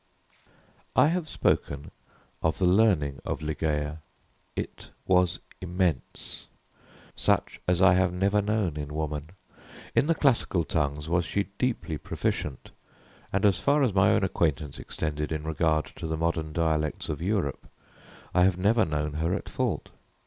I have spoken of the learning of Ligeia: it was immense such as I have never known in woman. In the classical tongues was she deeply proficient, and as far as my own acquaintance extended in regard to the modern dialects of Europe, I have never known her at fault.